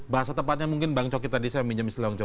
bahasa tepatnya mungkin bang coki tadi saya minyami